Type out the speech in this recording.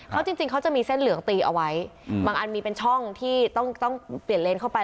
เขาจริงเขาจะมีเส้นเหลืองตีเอาไว้บางอันมีเป็นช่องที่ต้องเปลี่ยนเลนเข้าไป